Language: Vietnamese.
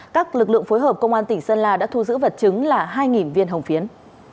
các lực lượng phối hợp công an tỉnh sơn la đã thu giữ vật chứng là hai viên hồng phiến